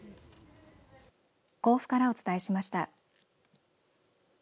甲府からお伝えしました。